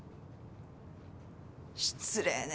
失礼ね。